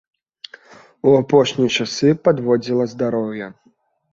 У апошнія часы падводзіла здароўе.